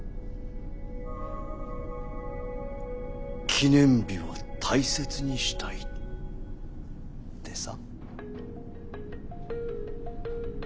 記念日を大切にしたいってさ。